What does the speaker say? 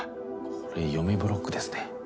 これ嫁ブロックですね。